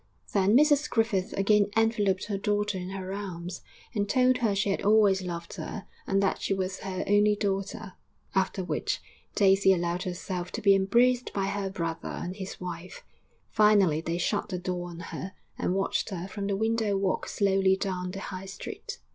Then Mrs Griffith again enveloped her daughter in her arms, and told her she had always loved her and that she was her only daughter; after which, Daisy allowed herself to be embraced by her brother and his wife. Finally they shut the door on her and watched her from the window walk slowly down the High Street.